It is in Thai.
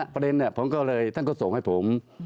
ประเด็นผมก็เลยท่านก็ส่งให้ผม